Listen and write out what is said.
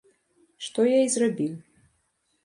Што я і зрабіў.